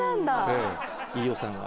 飯尾さんは？